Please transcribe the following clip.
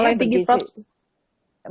kalau yang tinggi protein